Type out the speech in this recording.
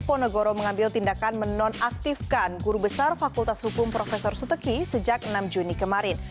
ponegoro mengambil tindakan menonaktifkan guru besar fakultas hukum profesor suteki sejak enam juni kemarin